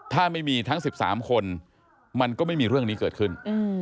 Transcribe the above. ถ้าไม่มีทั้ง๑๓คนมันก็ไม่มีเรื่องนี้เกิดขึ้น